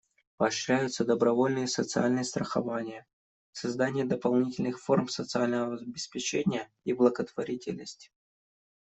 Поощряются добровольное социальное страхование, создание дополнительных форм социального обеспечения и благотворительность.